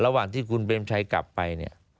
ระหว่างที่คุณเบมชัยกลับไป